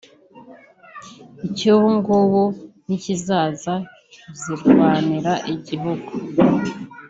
icy’ubungubu n’ikizaza zirwanira igihugu